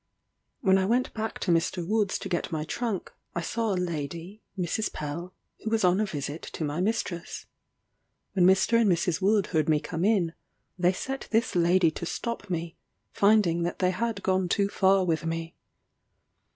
When I went back to Mr. Wood's to get my trunk, I saw a lady, Mrs. Pell, who was on a visit to my mistress. When Mr. and Mrs. Wood heard me come in, they set this lady to stop me, finding that they had gone too far with me.